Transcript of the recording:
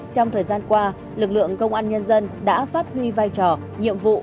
trong thời gian qua lực lượng công an nhân dân đã phát huy vai trò nhiệm vụ